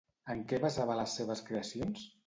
En què basava les seves creacions?